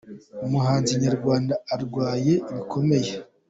Umuhanzi nyarwanda ararwaye bikomeye